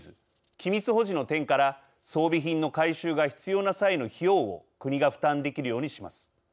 機密保持の点から装備品の改修が必要な際の費用を国が負担できるようにします。